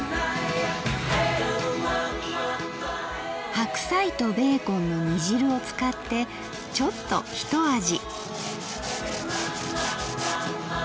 白菜とベーコンの煮汁を使ってちょっとひと味。